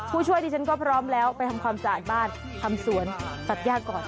ผู้ช่วยดิฉันก็พร้อมแล้วไปทำความสะอาดบ้านทำสวนตัดย่าก่อน